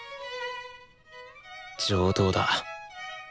上等だ。